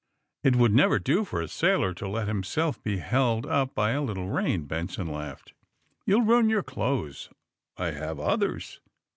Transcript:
*^It would never do for a sailor to let him self be held up by a little rain," Benson laughed. * ^You'll ruin your clothes." "I have others."